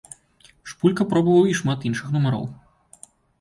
Шпулька пробаваў і шмат іншых нумароў.